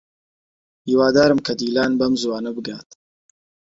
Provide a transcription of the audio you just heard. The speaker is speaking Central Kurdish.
هیوادارم کە دیلان بەم زووانە بگات.